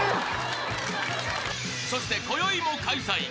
［そしてこよいも開催